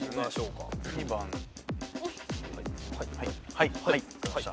はいはい分かりました。